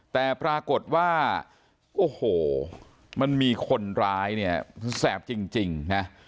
แต่ปรากฏว่าโอ้โหมันมีคนร้ายเนี่ยแสบจริงนะ